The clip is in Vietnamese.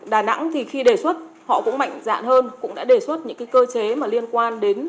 đà nẵng thì khi đề xuất họ cũng mạnh dạn hơn cũng đã đề xuất những cái cơ chế mà liên quan đến